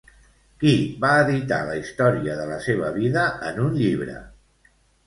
Qui va editar la història de la seva vida en un llibre?